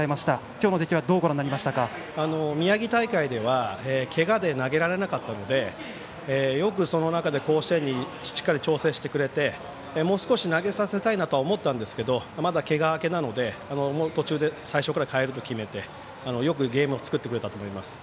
今日の投球宮城大会ではけがで投げられなかったのでよく、その中で甲子園にしっかり調整してくれてもう少し投げさせたいなとは思ったんですけどまだ、けが明けなので途中で最初から代えると決めてよくゲームを作ってくれたと思います。